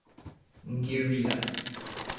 Girija.